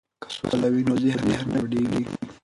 که سوله وي نو ذهن نه ګډوډیږي.